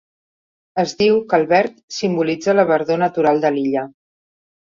Es diu que el verd simbolitza la verdor natural de l'illa.